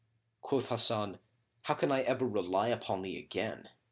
Quoth Hasan, "How can I ever rely upon thee again?"